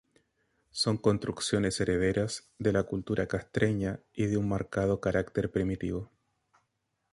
Son construcciones herederas de la Cultura Castreña y de un marcado carácter primitivo.